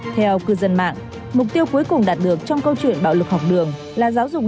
theo cư dân mạng mục tiêu cuối cùng đạt được trong câu chuyện bạo lực học đường